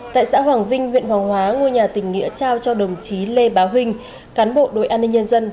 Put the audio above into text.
tại xã hoàng vinh huyện hoàng hóa ngôi nhà tỉnh nghĩa trao cho đồng chí lê bá huynh cán bộ đội an ninh nhân dân